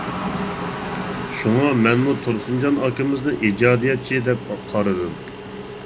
شۇڭا مەنمۇ تۇرسۇنجان ئاكىمىزنى ئىجادىيەتچى دەپ قارىدىم.